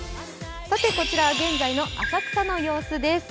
こちらは現在の浅草の様子です。